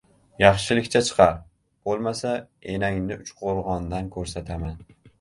Yaxshilikcha chiqar, bo‘lmasa enangni Uchqo‘rg‘ondan ko‘rsataman!